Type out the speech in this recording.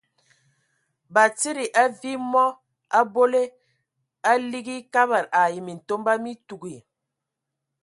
Batsidi, a viimɔ a a abole, a ligi Kabad ai Mintomba mi tuugi.